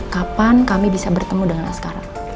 kapan kami bisa bertemu dengan sekarang